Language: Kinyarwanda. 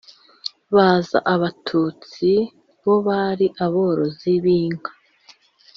haza abatutsi bo bari aborozi b'inka.